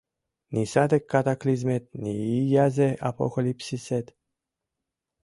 Ни саде катаклизмет, ни иязе апокалипсисет.